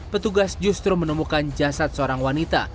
petugas justru menemukan jasad seorang wanita